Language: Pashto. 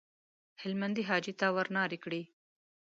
هلمندي حاجي ته ورنارې کړې.